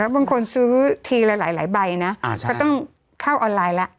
บางคนซื้อทีหลายใบนะก็ต้องเข้าออนไลน์แล้ว